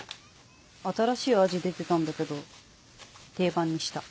新しい味出てたんだけど定番にした。